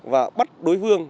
và bắt đối phương